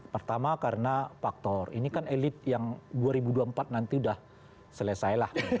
pertama karena faktor ini kan elit yang dua ribu dua puluh empat nanti sudah selesai lah